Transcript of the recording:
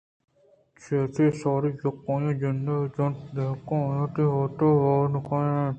چرایشی ءَ ساری یکّے آئی ءِ جند ءَ بہ جنت دانکہ آ وتی بابتءَ باور کنائینت